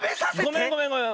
ごめんごめんごめん。